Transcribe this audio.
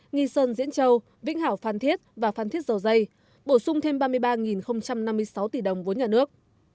nghi sơn diễn châu vĩnh hảo phan thiết và phan thiết dầu dây bổ sung thêm ba mươi ba năm mươi sáu tỷ đồng vốn nhà nước